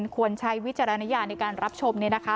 ควรใช้วิจารณญาณในการรับชม